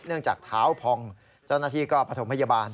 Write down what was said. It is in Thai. เนื่องจากเท้าพองเจ้าหน้าที่ก็ปฐมพยาบาล